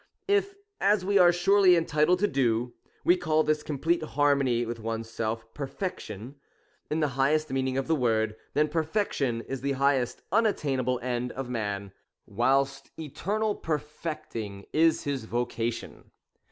If, as we are surely entitled to do, we call this complete harmony with oneself perfec tion, in the highest meaning of the word; then perfection is the highest unattainable end of man, whilst eternal per fecting is his vocation.